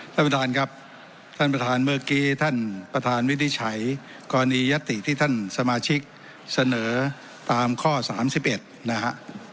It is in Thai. ท่านประธานครับท่านประธานเมื่อกี้ท่านประธานวินิจฉัยกรณียติที่ท่านสมาชิกเสนอตามข้อ๓๑นะฮะ